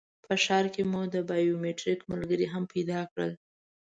په ښار کې مو د بایومټریک ملګري هم پیدا کړل.